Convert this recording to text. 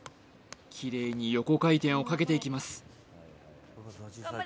きれいに横回転をかけていきます